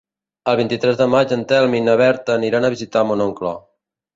El vint-i-tres de maig en Telm i na Berta aniran a visitar mon oncle.